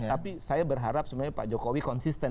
tapi saya berharap sebenarnya pak jokowi konsisten